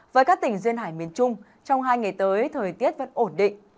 với các tỉnh duyên hải miền trung trong hai ngày tới thời tiết vẫn ổn định